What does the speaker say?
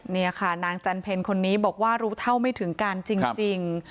นี่ค่ะนางจันเพ็ญคนนี้บอกว่ารู้เท่าไม่ถึงการจริง